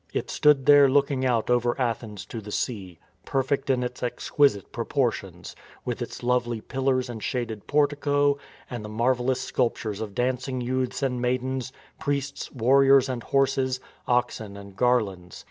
It stood there looking out over Athens to the sea, perfect in its exquisite proportions, with its lovely pillars and shaded portico, and the marvellous sculp tures of dancing youths and maidens, priests, warriors and horses, oxen and garlands.